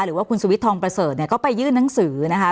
หรือว่าคุณสุวิทยทองประเสริฐเนี่ยก็ไปยื่นหนังสือนะคะ